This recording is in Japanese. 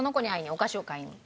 お菓子を買いに？